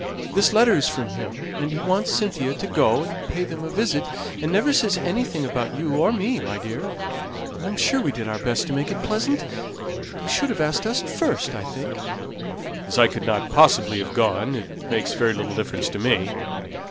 This letter is from him; and he wants Cynthia to go and pay them a visit, and never says anything about you or me, my dear. And I'm sure we did our best to make it pleasant; and he should have asked us first, I think." "As I couldn't possibly have gone, it makes very little difference to me."